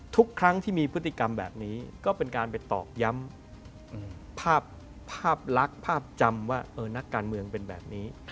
ทุกครั้งที่มีพฤติกรรมแบบนี้ก็เป็นการไปตอกย้ำภาพลักษณ์ภาพจำว่านักการเมืองเป็นแบบนี้